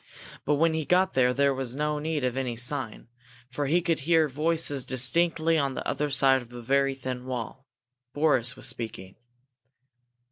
But when he got there he had no need of any sign, for he could hear voices distinctly on the other side of a very thin wall. Boris was speaking.